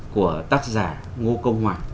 của tác giả ngô công hoàng